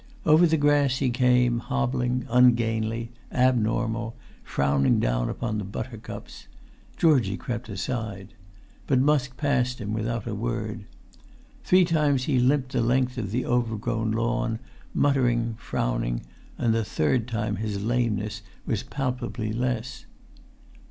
Over the grass he came hobbling, ungainly, abnormal, frowning down upon the buttercups. Georgie crept aside. But Musk passed him without a word. Three times he limped the length of the overgrown lawn, muttering, frowning; and the third time his lameness was palpably less.